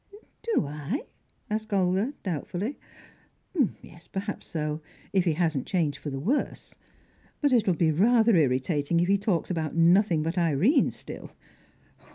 "Do I?" asked Olga doubtfully. "Yes, perhaps so. If he hasn't changed for the worse. But it'll be rather irritating if he talks about nothing but Irene still.